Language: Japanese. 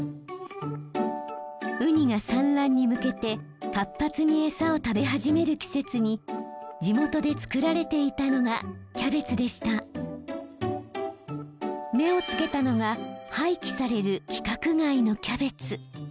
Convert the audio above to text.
ウニが産卵に向けて活発に餌を食べ始める季節に地元で作られていたのが目を付けたのが廃棄される規格外のキャベツ。